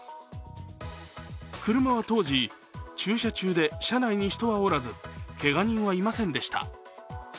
車は当時、駐車中で車内に人はおらず、けが人はいませんでした。